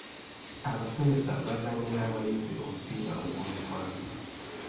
Abasomesa bazannye n'abayizi omupiira ogw’omukwano.